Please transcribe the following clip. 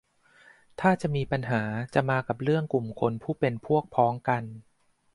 ถ้าจะมีปัญหาจะมากับเรื่องกลุ่มคนผู้เป็นพวกพ้องกัน